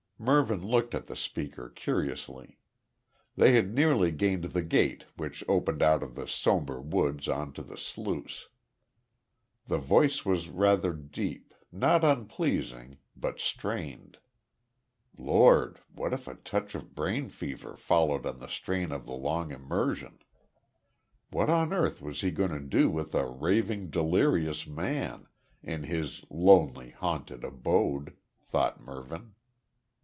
Mervyn looked at the speaker curiously. They had nearly gained the gate which opened out of the sombre woods on to the sluice. The voice was rather deep, not unpleasing, but strained. Lord! what if a touch of brain fever followed on the strain of the long immersion? What on earth was he going to do with a raving delirious man, in his lonely, haunted abode? thought Mervyn.